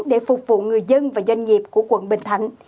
để phục vụ người dân và doanh nghiệp của quận bình thạnh